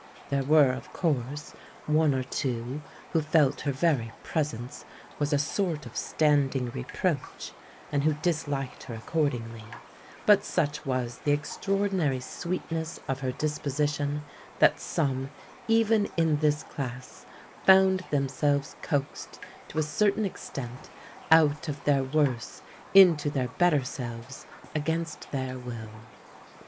There were, of course, one or two who felt her very presence was a sort of standing reproach and who disliked her accordingly, but such was the extraordinary sweetness of her disposition that some, even in this class, found themselves coaxed to a certain extent out of their worse into their better selves against their will.